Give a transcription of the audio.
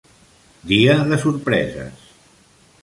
Dia de sorpreses!